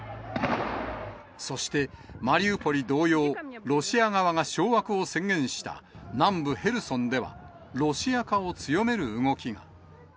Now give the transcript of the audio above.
そして、マリウポリ同様、ロシア側が掌握を宣言した南部ヘルソンでは、ロシア化を強める動きが。